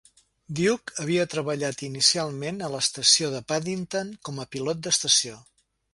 Duck havia treballat inicialment a l'estació de Paddington com a pilot d'estació.